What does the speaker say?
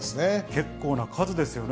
結構な数ですよね。